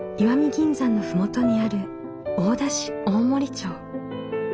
銀山の麓にある大田市大森町。